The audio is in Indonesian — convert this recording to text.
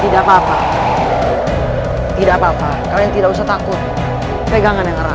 tidak apa apa tidak apa apa kalian tidak usah takut pegangan yang erat